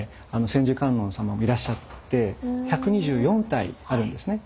千手観音様もいらっしゃって１２４体あるんですね。